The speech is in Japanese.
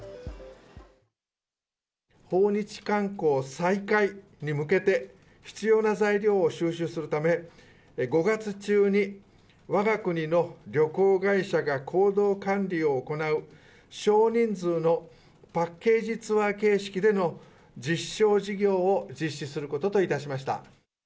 訪日観光再開に向けて、必要な材料を収集するため、５月中にわが国の旅行会社が行動管理を行う少人数のパッケージツアー形式での実証事業を実施することといたしました。